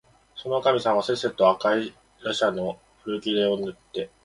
そのおかみさんはせっせと赤いらしゃの古切れをぬって、